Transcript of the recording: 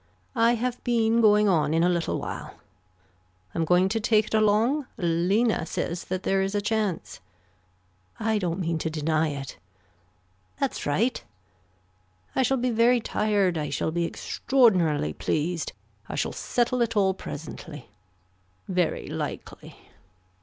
I have been going on in a little while. I am going to take it along. Lena says that there is a chance. I don't mean to deny it. That's right. I shall be very tired I shall be extraordinarily pleased, I shall settle it all presently. Very likely.